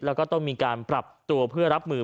แล้วก็ต้องมีการปรับตัวเพื่อรับมือ